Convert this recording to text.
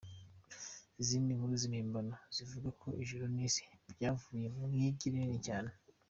Izindi nkuru z’impimbano zivuga ko ijuru n’isi byavuye mu igi rinini cyane.